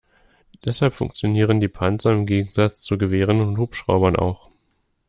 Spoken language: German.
Deshalb funktionieren die Panzer im Gegensatz zu Gewehren und Hubschraubern auch.